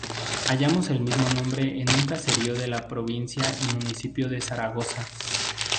Hallamos el mismo nombre en un caserío de la provincia y municipio de Zaragoza.